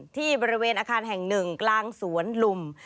ที่บริเวณอาคารแห่งหนึ่งกลางสวนลุม